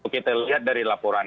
kita lihat dari laporannya